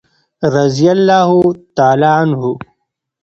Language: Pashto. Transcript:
رضي الله تعالی عنه.